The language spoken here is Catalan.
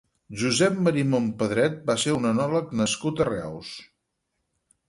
Josep Marimon Pedret va ser un enòleg nascut a Reus.